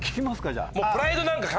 じゃあ。